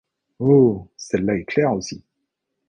Oh! celle-là est claire aussi.